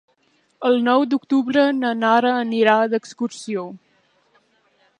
El nou d'octubre na Nara anirà d'excursió.